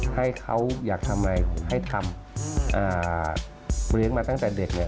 ให้เขาอยากทำอะไรให้ทำเลี้ยงมาตั้งแต่เด็กเนี่ย